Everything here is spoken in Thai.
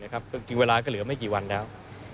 ก็จริงเวลาก็เหลือไม่กี่วันแล้ว